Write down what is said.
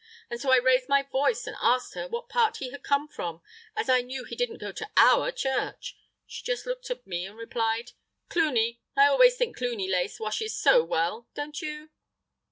And so I raised my voice and asked her what part he had come from, as I knew he didn't go to our church. She just looked at me and replied: 'Cluny; I always think Cluny lace washes so well, don't you?